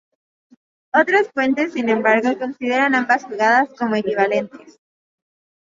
Otras fuentes, sin embargo, consideran ambas jugadas como equivalentes.